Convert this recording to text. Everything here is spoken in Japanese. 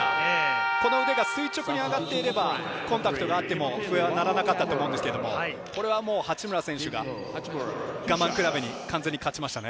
この腕が垂直に上がっていればコンタクトがあっても笛は鳴らなかったと思うんですが、これは八村選手が我慢比べに完全に勝ちましたね。